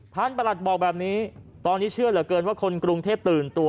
ประหลัดบอกแบบนี้ตอนนี้เชื่อเหลือเกินว่าคนกรุงเทพตื่นตัว